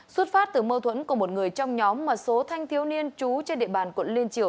xuất phát từ mâu thuẫn của một người trong nhóm mà số thanh thiếu niên trú trên địa bàn quận liên triều